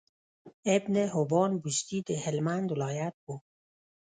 ابن حبان بستي د هلمند ولايت وو